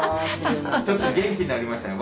ちょっと元気になりましたね。